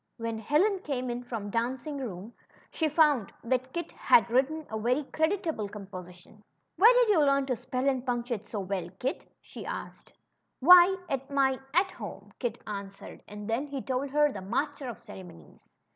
When Helen came in from dancing school, she found that Kit had written a very creditable composition. Where did you learn to spell and punctuate so well, Kit?" she asked. 134 THE CHILDREN'S WONDER BOOK. at my ^At home/" Kit answered; and then he told her of the Master of Ceremonies.